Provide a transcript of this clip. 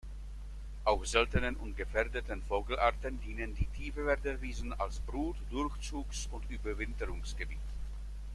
Auch seltenen und gefährdeten Vogelarten dienen die Tiefwerder-Wiesen als Brut-, Durchzugs- und Überwinterungsgebiet.